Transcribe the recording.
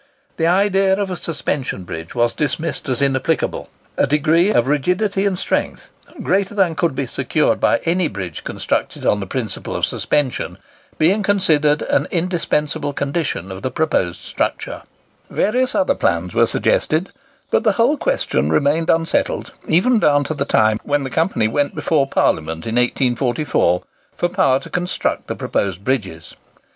The idea of a suspension bridge was dismissed as inapplicable; a degree of rigidity and strength, greater than could be secured by any bridge constructed on the principle of suspension, being considered an indispensable condition of the proposed structure. [Picture: Britannia Bridge] Various other plans were suggested; but the whole question remained unsettled even down to the time when the Company went before Parliament, in 1844, for power to construct the proposed bridges.